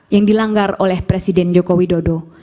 yang dilanggar oleh presiden joko widodo